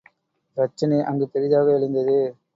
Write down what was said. பிரச்சினை அங்கு பெரிதாக எழுந்தது.